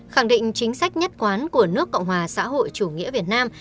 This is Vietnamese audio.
khẳng định chính sách nhất quán của nước cộng hòa xã hội chủ nghĩa việt nam